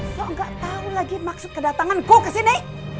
kok gak tau lagi maksud kedatangan ku kesini